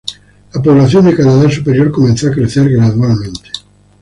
La población de Canadá Superior comenzó a crecer gradualmente.